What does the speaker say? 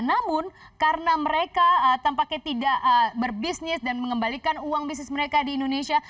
namun karena mereka tampaknya tidak berbisnis dan mengembalikan uang bisnis mereka di indonesia